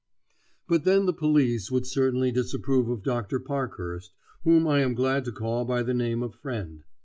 But then the police would certainly disapprove of Dr. Parkhurst, whom I am glad to call by the name of friend.